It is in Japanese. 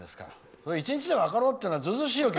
そりゃ１日で分かろうっていうのはずうずうしいよ、君。